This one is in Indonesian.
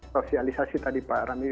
sosialisasi tadi pak rami